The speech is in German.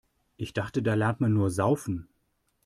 Ich dachte, da lernt man nur Saufen.